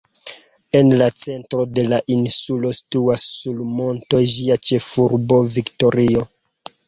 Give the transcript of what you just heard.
En la centro de la insulo situas sur monto ĝia ĉefurbo Viktorio.